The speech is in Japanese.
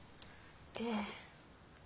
ええ。